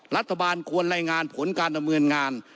รัฐบาลควรรายงานผลการดำเนินงาน